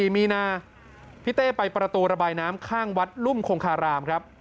๔มีนาพี่เต้ไปประตูระบายน้ำข้างวัดรุ่มคงคารามครับ